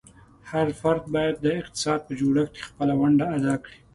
هر فرد باید د اقتصاد په جوړښت کې خپله ونډه ادا کړي.